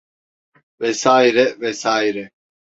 Vesaire, vesaire.